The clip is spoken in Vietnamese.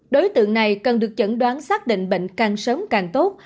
đối tượng này cần được chẩn đoán xác định bệnh càng sớm càng tốt